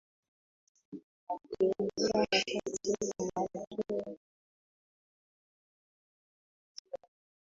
ulianzia wakati wa Malkia Tamara Walakini katika